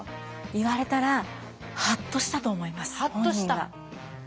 言われたらハッとしたと思います本人が。